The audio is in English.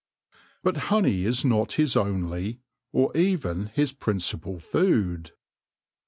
But honey is not his only, or even his principal, food.